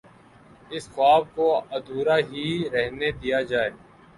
اس خواب کو ادھورا ہی رہنے دیا جائے۔